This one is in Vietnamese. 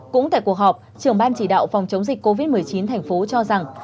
cũng tại cuộc họp trưởng ban chỉ đạo phòng chống dịch covid một mươi chín thành phố cho rằng